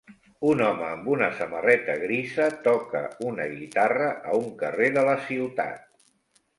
Un home amb una samarreta grisa toca una guitarra a un carrer de la ciutat.